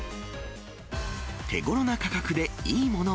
手ごろな価格でいいものを。